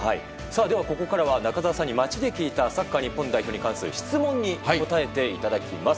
ここからは中澤さんに街で聞いたサッカー日本代表に関する質問に答えていただきます。